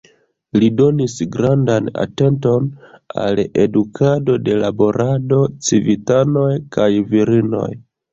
Li donis grandan atenton al edukado de laborado, civitanoj kaj virinoj.